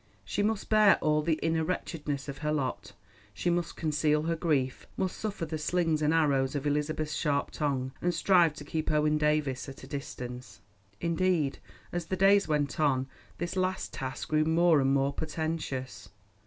She must bear all the inner wretchedness of her lot; she must conceal her grief, must suffer the slings and arrows of Elizabeth's sharp tongue, and strive to keep Owen Davies at a distance. Indeed, as the days went on, this last task grew more and more portentous.